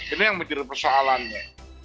ini yang menjadi persoalannya